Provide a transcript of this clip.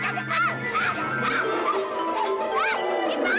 ya allah dah